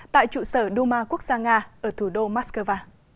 tại trụ sở duma quốc gia nga ở thủ đô moscow